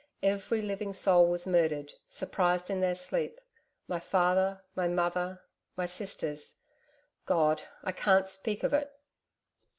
Every living soul was murdered ...surprised in their sleep ... My father ... my mother ... my sisters ... God! ... I can't speak of it....'